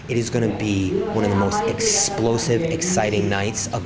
ini akan menjadi malam yang paling menarik dan menarik